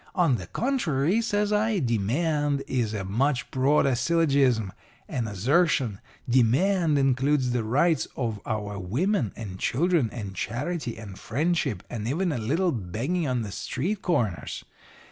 On the contrary,' says I, 'demand is a much broader syllogism and assertion. Demand includes the rights of our women and children, and charity and friendship, and even a little begging on the street corners.